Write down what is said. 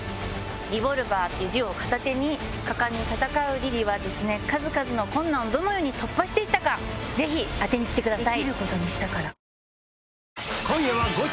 リボルバーっていう銃を片手に果敢に戦うリリーは数々の困難をどう突破したかぜひ当てにきてください。